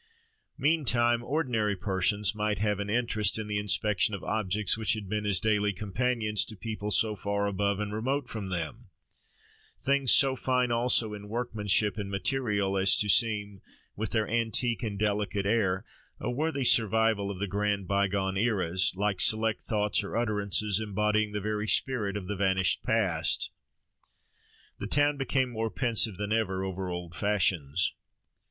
Meantime ordinary persons might have an interest in the inspection of objects which had been as daily companions to people so far above and remote from them—things so fine also in workmanship and material as to seem, with their antique and delicate air, a worthy survival of the grand bygone eras, like select thoughts or utterances embodying the very spirit of the vanished past. The town became more pensive than ever over old fashions.